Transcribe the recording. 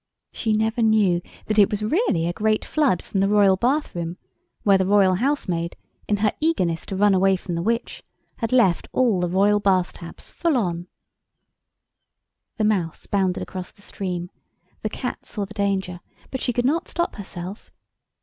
She never knew that it was really a great flood from the royal bathroom, where the royal housemaid, in her eagerness to run away from the witch, had left all the royal bath taps full on. The Mouse bounded across the stream—the Cat saw the danger, but she could not stop herself.